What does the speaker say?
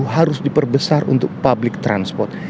harus diperbesar untuk public transport